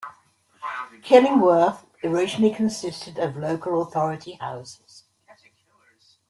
Killingworth originally consisted of local authority houses.